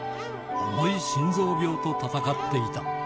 重い心臓病と闘っていた。